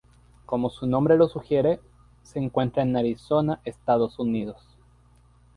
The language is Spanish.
Como su nombre lo sugiere, se encuentra en Arizona, Estados Unidos.